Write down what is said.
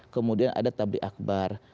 kemudian ada tabli akbar